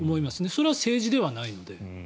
それは政治ではないので。